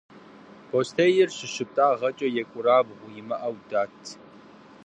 Бостейр щыптӏэгъэнкӏэ екӏурабгъу имыӏэу дат.